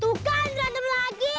tuh kan berantem lagi